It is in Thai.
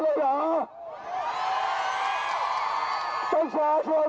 ประชาชนไม่มีความหายหรือ